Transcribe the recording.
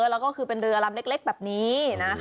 แล้วก็คือเป็นเรือลำเล็กแบบนี้นะ